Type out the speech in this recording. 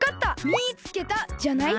「みいつけた！」じゃない？